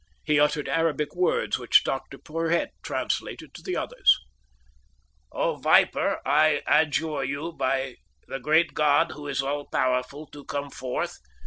He uttered Arabic words, which Dr. Porhoët translated to the others. "O viper, I adjure you, by the great God who is all powerful, to come forth.